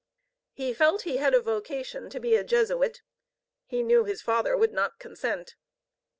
He felt he had a vocation to be a Jesuit. He knew his father would not consent.